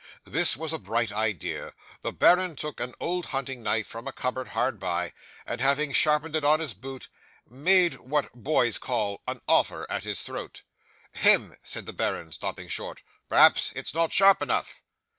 'This was a bright idea. The baron took an old hunting knife from a cupboard hard by, and having sharpened it on his boot, made what boys call "an offer" at his throat. '"Hem!" said the baron, stopping short. "Perhaps it's not sharp enough."